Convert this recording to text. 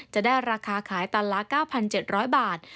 จะได้ราคาขายตันละ๙๗๐๐บาท